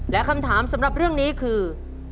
และคำถามสำหรับเรื่องนี้คือ